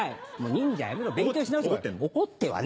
忍者やめろ勉強し直して来い。